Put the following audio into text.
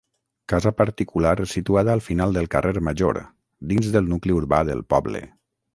Casa particular situada al final del carrer Major, dins del nucli urbà del poble.